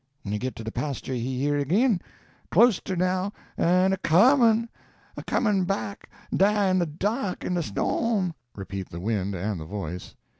When he git to de pasture he hear it agin closter now, en a comin'! a comin' back dah in de dark en de storm (repeat the wind and the voice).